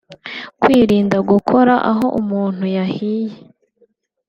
Kwirinda gukora aho umuntu yahiye